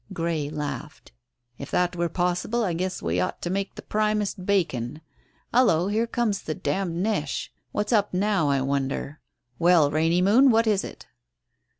Grey laughed. "If that were possible I guess we ought to make the primest bacon. Hallo, here comes the d d neche. What's up now, I wonder? Well, Rainy Moon, what is it?"